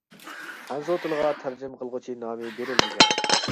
خەنزۇ تىلىغا تەرجىمە قىلغۇچى نامى بېرىلمىگەن.